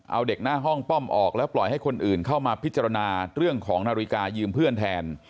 เอาเด็กหน้าห้องป้อมออกแล้วปล่อยให้คนอื่นเข้ามาพิจารณาเรื่องของนาฬิกายืมเพื่อนแทน